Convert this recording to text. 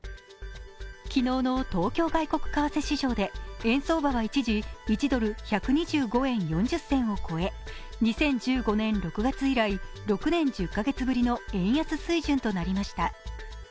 昨日の外国為替市場で円相場は一時１ドル＝１２５円４０銭を超え２０１５年６月以来、６年１０カ月ぶりの円安水準となりました。